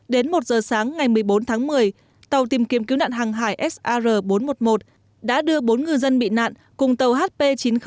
đến một giờ sáng ngày một mươi bốn tháng một mươi tàu tìm kiếm cứu nạn hàng hải sr bốn trăm một mươi một đã đưa bốn người dân bị nạn cùng tàu hp chín nghìn bảy mươi hai